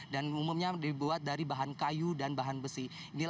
dan umumnya dibuat dari bahan kayu dan bahan besi